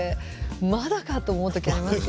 まだかと思うときありますよ。